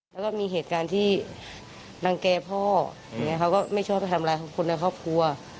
แล้วก็มีเหตุการณ์ที่รังแก่พ่ออย่างนี้เขาก็ไม่ชอบไปทำร้ายคนในครอบครัว